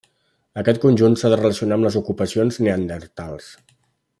Aquest conjunt s'ha de relacionar amb les ocupacions neandertals.